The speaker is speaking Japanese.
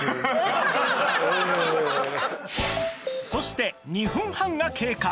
そして２分半が経過